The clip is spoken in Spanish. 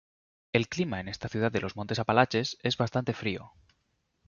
El clima en esta ciudad de los Montes Apalaches es bastante frío.